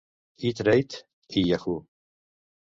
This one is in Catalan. E-Trade i Yahoo!